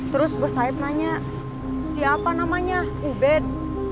terus bos saeb nanya siapa namanya ubed